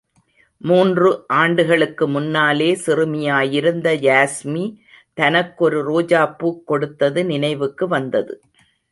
மூன்று ஆண்டுகளுக்கு முன்னாலே சிறுமியாயிருந்த யாஸ்மி தனக்கொரு ரோஜாப் பூக் கொடுத்தது நினைவுக்கு வந்தது.